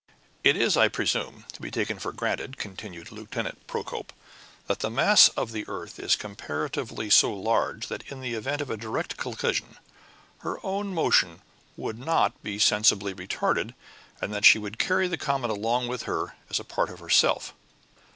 "It is, I presume, to be taken for granted," continued Lieutenant Procope, "that the mass of the earth is comparatively so large that, in the event of a direct collision, her own motion would not be sensibly retarded, and that she would carry the comet along with her, as part of herself."